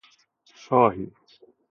چاهی